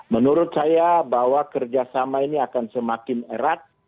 menurut saya bahwa kerjasama ini akan semakin erat